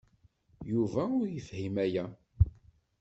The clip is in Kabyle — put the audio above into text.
Yuba ur yefhim aya.